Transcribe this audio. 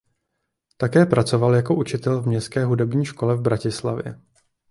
Také pracoval jako učitel v Městské hudební škole v Bratislavě.